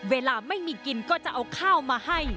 เวลาไม่มีกินก็จะเอาข้าวมาให้